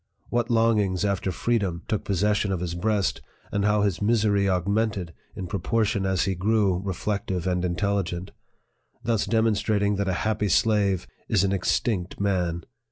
what longings after freedom took possession of his breast, and how his misery augmented, in proportion as he grew reflective and intelligent, thus demonstrating that a happy slave is an extinct man